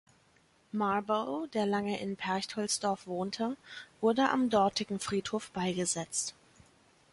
Marboe, der lange in Perchtoldsdorf wohnte, wurde am dortigen Friedhof beigesetzt.